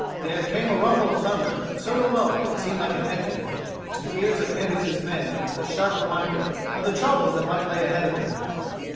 There came a rumble of thunder, so remote that it seemed like an echo, but to the ears of Andrews' men it was a sharp reminder of the troubles that might lay ahead of them.